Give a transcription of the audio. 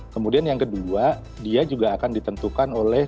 kemudian yang kedua dia juga akan ditentukan oleh